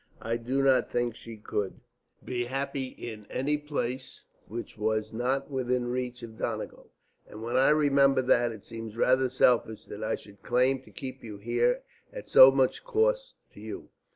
I do not think she could be happy in any place which was not within reach of Donegal.' And when I remember that, it seems rather selfish that I should claim to keep you here at so much cost to you."